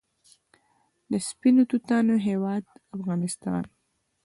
د سپینو توتانو هیواد افغانستان.